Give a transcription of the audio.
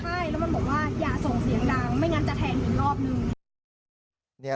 ใช่แล้วมันบอกว่าอย่าส่งเสียงดังไม่งั้นจะแทงอีกรอบนึง